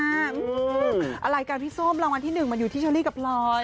อะไรกันพี่ส้มรางวัลที่๑มันอยู่ที่เชอรี่กับพลอย